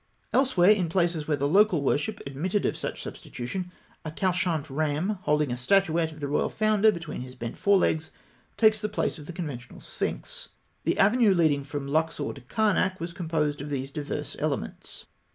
Elsewhere, in places where the local worship admitted of such substitution, a couchant ram, holding a statuette of the royal founder between his bent forelegs, takes the place of the conventional sphinx (fig. 95). The avenue leading from Luxor to Karnak was composed of these diverse elements.